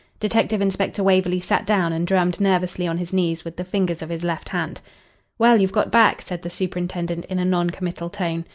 Detective Inspector Waverley sat down and drummed nervously on his knees with the fingers of his left hand. "Well, you've got back," said the superintendent in a non committal tone.